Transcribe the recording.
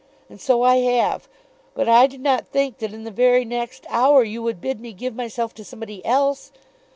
And so I have. But I did not think that in the very next hour you would bid me give myself to somebody else!